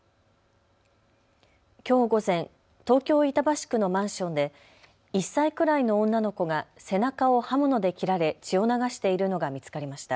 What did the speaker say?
きょう午前、東京板橋区のマンションで１歳くらいの女の子が背中を刃物で切られ血を流しているのが見つかりました。